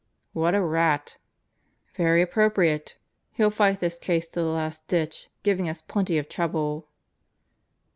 "What a rat 1" "Very appropriate! He'll fight this case to the last ditch, giving us plenty of trouble."